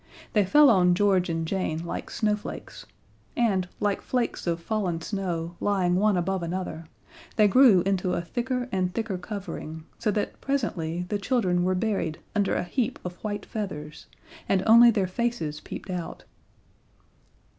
They fell on George and Jane like snowflakes, and, like flakes of fallen snow lying one above another, they grew into a thicker and thicker covering, so that presently the children were buried under a heap of white feathers, and only their faces peeped out.